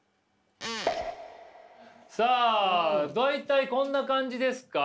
さあ大体こんな感じですか？